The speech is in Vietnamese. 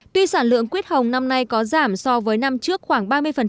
tuy sản lượng quyết hồng năm nay có giảm so với năm trước khoảng ba mươi